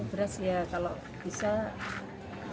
beras ya kalau bisa